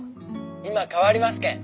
「今替わりますけん。